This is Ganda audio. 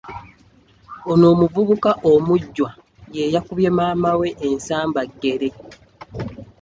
Ono omuvubuka omujjwa ye yakubye maamawe ensambaggere.